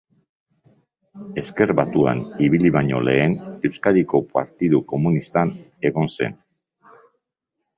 Ezker Batuan ibili baino lehen, Euskadiko Partidu Komunistan egon zen.